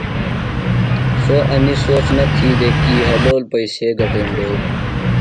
سوۡ اینیۡ سوچ نہ تھی دےۡ کی حلول پیئسے گٹینڈیو۔